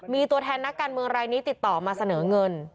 มีตัวแทนนักการเมืองรายนี้ติดต่อมาเสนอเงิน